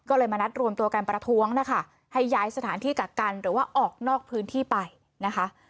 ก็เลยมานัดรวมตัวกันประท้วงนะคะให้ย้ายสถานที่กักกันหรือว่าออกนอกพื้นที่ไปนะคะ